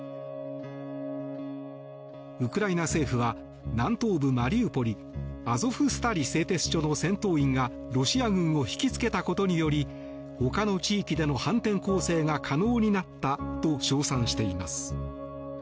ウクライナ政府は南東部マリウポリアゾフスタリ製鉄所の戦闘員がロシア軍を引きつけたことによりほかの地域での反転攻勢が可能になったと称賛しています。